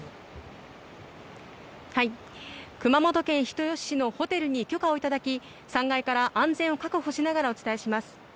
熊本県人吉市のホテルに許可を頂き３階から安全を確保しながらお伝えします。